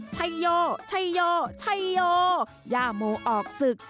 ไทยโยยาโมออกศึก